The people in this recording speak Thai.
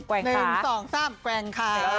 กว่างค้า๑๒๓กว่างค้า